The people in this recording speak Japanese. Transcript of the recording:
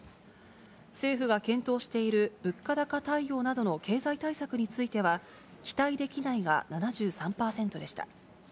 政府が検討している物価高対応などの経済対策については、期待できないが７３％でした。